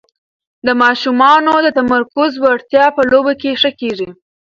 د ماشومانو د تمرکز وړتیا په لوبو کې ښه کېږي.